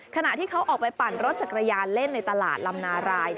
ขณะที่เขาออกไปปั่นรถจักรยานเล่นในตลาดลำนาราย